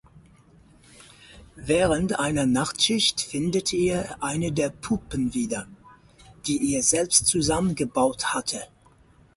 Während einer Nachtschicht findet er eine der Puppen wieder, die er selbst zusammengebaut hatte.